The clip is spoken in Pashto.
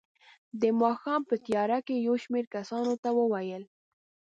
د ماښام په تیاره کې یې یو شمېر کسانو ته وویل.